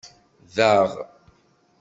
Daɣ!